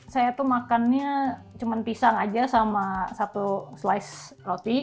saya tuh makannya cuma pisang aja sama satu slice roti